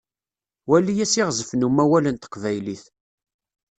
Wali asiɣzef n umawal n teqbaylit.